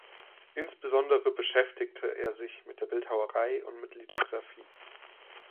Insbesondere beschäftigte er sich mit der Bildhauerei und mit Lithografie.